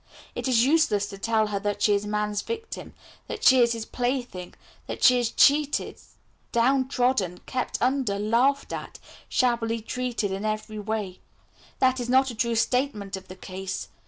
It is useless to tell her she is man's victim, that she is his plaything, that she is cheated, down trodden, kept under, laughed at, shabbily treated in every way that is not a true statement of the case.